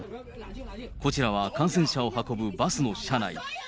こちらは感染者を運ぶバスの車内。